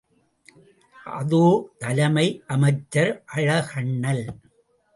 அதோ தலைமை அமைச்சர் அழகண்ணல்!